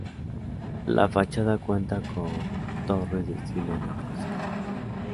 La fachada cuenta con torres de estilo neoclásico.